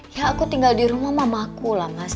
ya aku tinggal di rumah mamaku lah mas